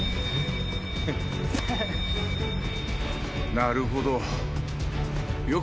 なるほど。